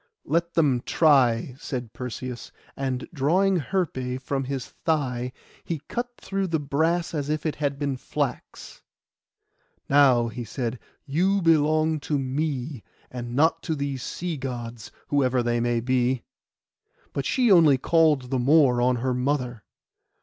'Let them try,' said Perseus; and drawing, Herpé from his thigh, he cut through the brass as if it had been flax. 'Now,' he said, 'you belong to me, and not to these sea Gods, whosoever they may be!' But she only called the more on her mother.